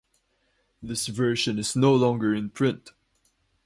This version is no longer in print.